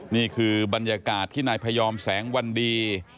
นี่คือบรรยากาศที่นายพยอมแสงวันดี